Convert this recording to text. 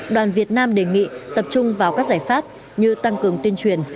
đoàn việt nam đề nghị tập trung vào các giải pháp như tăng cường tuyên truyền